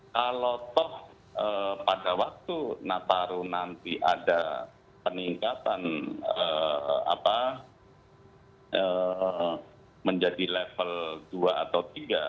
kalau toh pada waktu nataru nanti ada peningkatan menjadi level dua atau tiga